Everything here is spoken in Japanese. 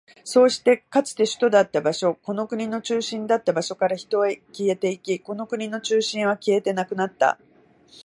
そうして、かつて首都だった場所、この国の中心だった場所から人は消えていき、この国の中心は消えてなくなった。